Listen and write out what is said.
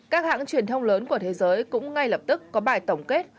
các hãng truyền thông lớn của thế giới cũng ngay lập tức có bài tổng kết